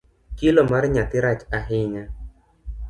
Kilo mar nyathi rach ahinya.